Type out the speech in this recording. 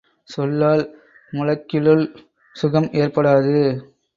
சொல்லால் முழக்கிளுல் சுகம் ஏற்படாது.